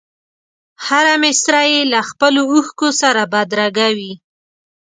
هره مسره یې له خپلو اوښکو سره بدرګه وي.